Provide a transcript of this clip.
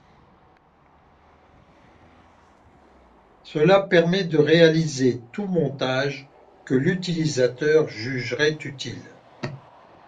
Cela permet de réaliser tout montage que l'utilisateur jugerait utile.